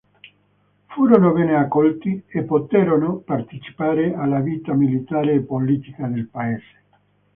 Furono bene accolti e poterono partecipare alla vita militare e politica del paese.